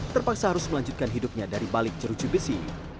terpaksa harus melanjutkan hidupnya dari balik jeruji besi